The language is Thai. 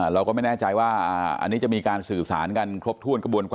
เราก็ไม่แน่ใจว่าอันนี้จะมีการสื่อสารกันครบถ้วนกระบวนการ